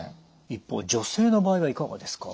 一方女性の場合はいかがですか？